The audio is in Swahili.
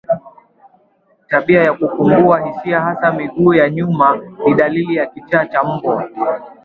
Tabia ya kupungua hisia hasa miguu ya nyuma ni dalili ya kichaa cha mbwa